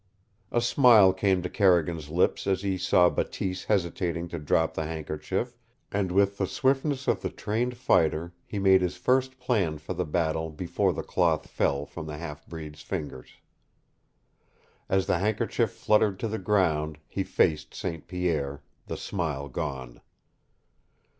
A smile came to Carrigan's lips as he saw Bateese hesitating to drop the handkerchief, and with the swiftness of the trained fighter he made his first plan for the battle before the cloth fell from the half breed's fingers, As the handkerchief fluttered to the ground, he faced St. Pierre, the smile gone.